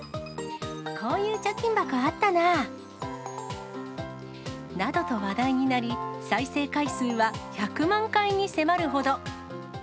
こういう貯金箱あったなー。などと話題になり、再生回数は１００万回に迫るほど。